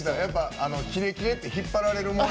きれきれって引っ張られるもの。